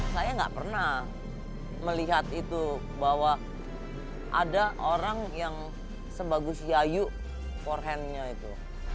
saya gak pernah melihat itu bahwa ada orang yang sebagus yayu forehandnya itu